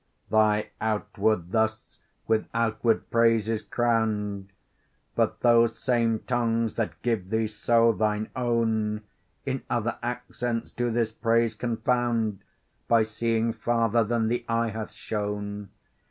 Thy outward thus with outward praise is crown'd; But those same tongues, that give thee so thine own, In other accents do this praise confound By seeing farther than the eye hath shown.